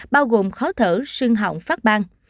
bao gồm khó thở sưng hỏng phát ban